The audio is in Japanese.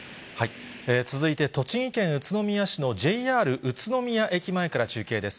続いて栃木県宇都宮市のＪＲ宇都宮駅前から中継です。